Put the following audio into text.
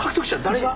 誰が？